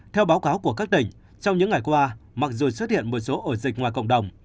theo báo cáo của các tỉnh trong những ngày qua mặc dù xuất hiện một số ổ dịch ngoài cộng đồng